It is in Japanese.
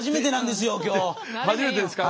初めてですからね。